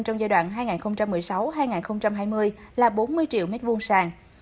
trong giai đoạn hai nghìn một mươi sáu hai nghìn hai mươi là bốn mươi triệu m hai sàng